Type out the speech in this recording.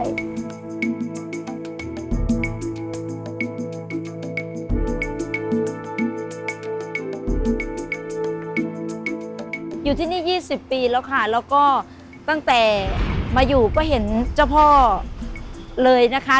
อยู่ที่นี่๒๐ปีแล้วค่ะแล้วก็ตั้งแต่มาอยู่ก็เห็นเจ้าพ่อเลยนะคะ